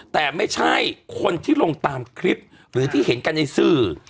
แต่ไม่ใช่คนที่ลงตามคลิปหรือที่เห็นกันในสื่อ